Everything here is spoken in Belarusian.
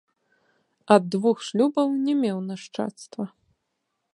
Ад двух шлюбаў не меў нашчадства.